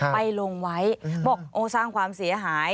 ไปลงไว้บอกโอ้สร้างความเสียหาย